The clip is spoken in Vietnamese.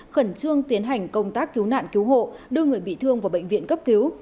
khẩn trương tiến hành công tác cứu nạn cứu hộ đưa người bị thương vào bệnh viện cấp cứu